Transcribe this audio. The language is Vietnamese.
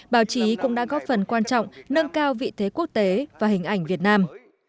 báo chí cũng đã góp phần quan trọng nâng cao vị thế quốc tế và hình ảnh việt nam